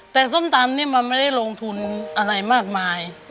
แต่ส้มตำนี่มันไม่ได้ลงทุนอะไรมากมาย